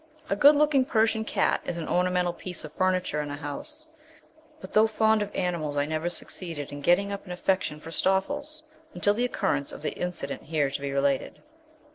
A good looking Persian cat is an ornamental piece of furniture in a house; but though fond of animals, I never succeeded in getting up an affection for Stoffles until the occurrence of the incident here to be related.